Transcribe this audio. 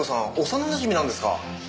幼なじみなんですか？